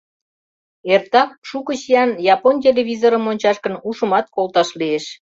Эртак шуко чиян япон телевизорым ончаш гын, ушымат колташ лиеш.